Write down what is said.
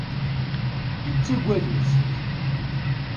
Yettagad-itt.